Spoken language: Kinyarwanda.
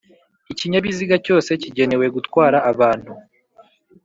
Ikinyabiziga cyose kigenewe gutwara abantu